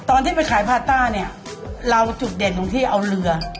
ตอนที่ไปขายพาต้าเนี่ยเราจุดเด่นตรงที่เอาเรือ